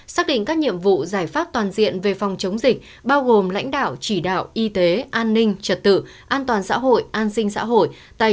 xác định các nhiệm vụ giải pháp toàn diện về phòng chống dịch bao gồm lãnh đạo chỉ đạo y tế an ninh trật tự an toàn xã hội an sinh xã hội